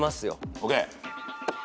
ＯＫ！